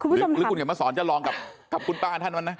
หรือคุณเห็นมาสอนจะลองกับคุณป้าท่านว่ะนะ